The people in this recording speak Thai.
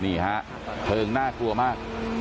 นี่ฮะเพลิงน่ากลัวมาก